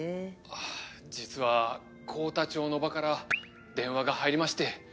ああ実は幸田町の叔母から電話が入りまして。